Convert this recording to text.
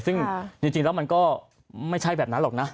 ซึ่งจริงแล้วมันก็ไม่ใช่แบบนั้นหรอกนะ